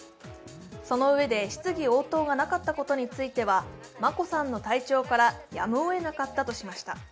そのうえで質疑応答がなかったことについては眞子さんの体調からやむをえなかったとしました。